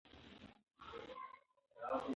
تیارې خپلې ټولې وسلې په ځمکه کېښودلې.